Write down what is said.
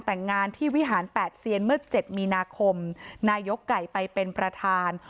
ตั้งแต่งานที่วิหาร๘เซียนเมิด๗มีนาคมนายกไก่ไปเป็นประธาน